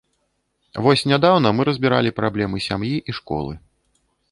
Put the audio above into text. Вось нядаўна мы разбіралі праблемы сям'і і школы.